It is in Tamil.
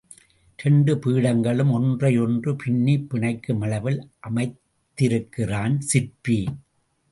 இரண்டு பீடங்களும் ஒன்றை ஒன்று பின்னிப் பிணைக்கும் அளவில் அமைத்திருக்கிறான் சிற்பி.